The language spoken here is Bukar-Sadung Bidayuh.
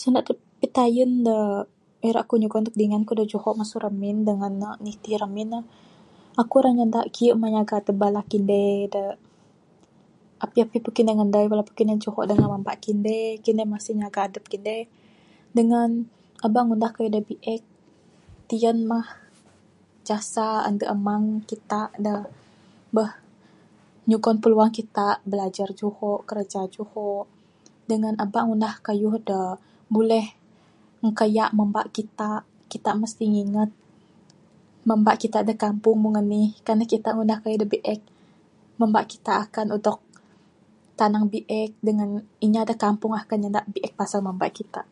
Senda pitayen dak ira ku nyugon ndek dingan ku dak juho mesu remin dengan ne nitih ramin ne, aku ira nyenda kiye mah nyaga bala kinde da apih apih pun kinden ngendai walaupun kinden juho mesu mamba kinden kinden masih nyaga adeh kinden, dengan aba ngundah keyuh da biek tiyan mah jasa ande amang kita da mbeh nyugon piluang kita bilajar juho kerja juho dengan eba ngundah keyuh dak buleh enkeyak mamba kita, kita mesti ngingat mamba kita dak kampung mung enih kan kita ngundah keyuh dak biek mamba kita akan dok tanang biek dengan inya dak kampung akan nyenda biek pasal mamba kita.